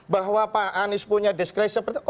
bahwa pak anies punya diskresi seperti itu